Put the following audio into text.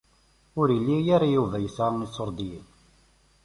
Ur yelli ara Yuba yesɛa iṣuṛdiyen.